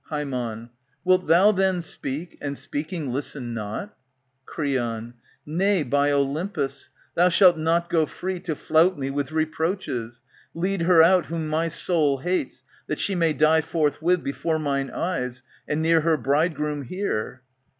Hcem, Wilt thou then speak, and, speaking, listen not ? Creon, Nay, by Olympos ! Thou shalt not go free To flout me with reproaches. Lead her out Whom my soul hates, that she may die forthwith ^^ Before mine eyes, and near her bridegroom here.